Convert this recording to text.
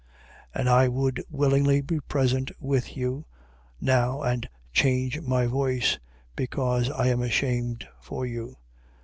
4:20. And I would willingly be present with you now and change my voice: because I am ashamed for you.